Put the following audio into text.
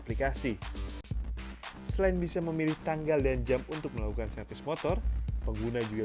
empat bulan berikutnya